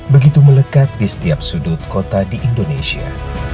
begitu melekat di setiap sudut kota di indonesia